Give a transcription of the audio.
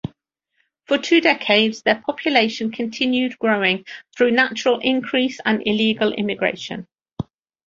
For two decades, their population continued growing through natural increase and illegal immigration.